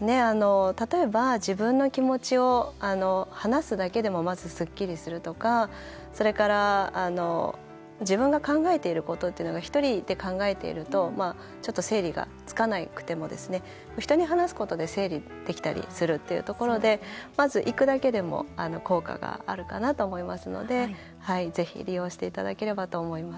例えば自分の気持ちを話すだけでもまず、すっきりするとかそれから、自分が考えていることっていうのが１人で考えているとちょっと整理がつかなくても人に話すことで整理できたりするっていうところでまず、行くだけでも効果があるかなと思いますのでぜひ、利用していただければと思います。